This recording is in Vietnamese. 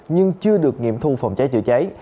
nhưng chưa được nghiệm thu phòng cháy chữa cháy